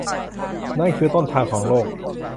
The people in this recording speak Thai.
นั่นคือต้นทางของโรค